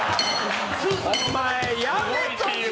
お前やめとけよ。